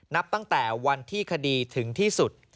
นับตั้งแต่วันที่คดีถึงที่สุด